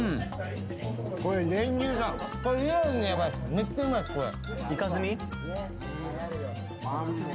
めっちゃうまいっすこれ。